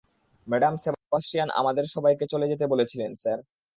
Madam Sebastian আমাদের সবাইকে চলে যেতে বলেছিলেন, স্যার।